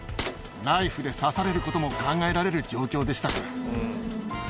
ナイフで刺されることも考えられる状況でしたから。